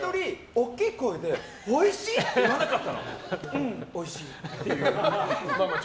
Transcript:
大きい声でおいしい！って言わなかったのうん、おいしいって。